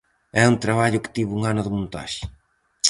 É un traballo que tivo un ano de montaxe.